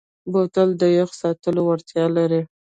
بوتل د یخ ساتلو وړتیا لري.